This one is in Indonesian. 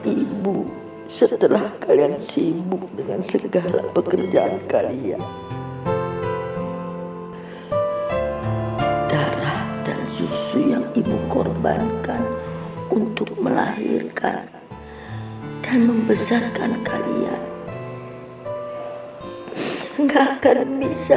ibu sudah meninggal kemarin malam mbak tias